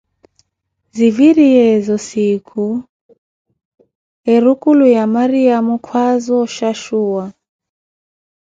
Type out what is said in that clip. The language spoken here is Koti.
Ziviriyeevo siikhu, erukulo ya Mariyamo kwaaza o shashuwa.